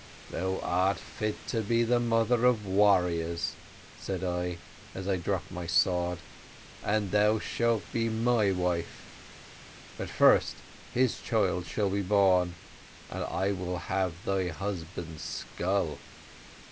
`Thou art fit to be the mother of warriors,' said I, as I dropped my sword, `and thou shalt be my wife, but first his child shall be born, and I will have thy husband's skull.'